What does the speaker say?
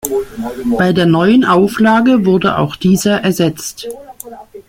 Bei der neuen Auflage wurde auch dieser ersetzt.